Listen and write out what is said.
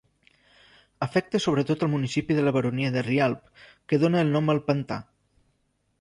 Afecta sobretot al municipi de la Baronia de Rialb, que dóna el nom al pantà.